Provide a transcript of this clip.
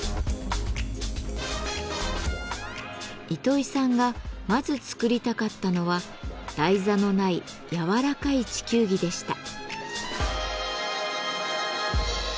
糸井さんがまず作りたかったのは台座のないやわらかい地球儀でした。